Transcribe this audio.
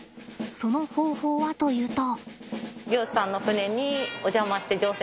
その方法はというと。